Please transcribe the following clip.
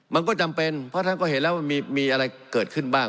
มันก็จำเป็นเพราะท่านก็เห็นแล้วมันมีอะไรเกิดขึ้นบ้าง